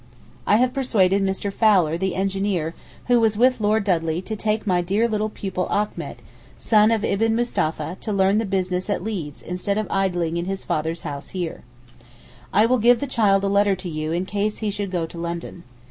I have persuaded Mr. Fowler the engineer who was with Lord Dudley to take my dear little pupil Achmet son of Ibn Mustapha to learn the business at Leeds instead of idling in his father's house here. I will give the child a letter to you in case he should go to London.